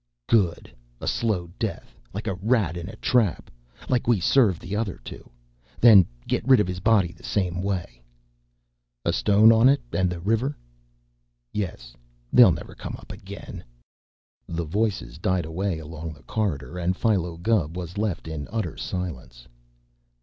"Good. A slow death, like a rat in a trap like we served the other two. Then get rid of his body the same way." "A stone on it, and the river?" "Yes. They never come up again." The voices died away along the corridor, and Philo Gubb was left in utter silence.